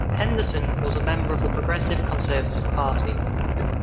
Henderson was a member of the Progressive Conservative Party.